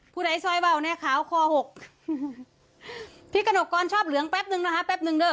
ผู้ใดซอยว่าวเนี่ยขาวคอหกพี่กนกรชอบเหลืองแป๊บหนึ่งนะคะ